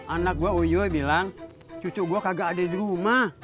anak gue oyo bilang cucu gue kagak ada di rumah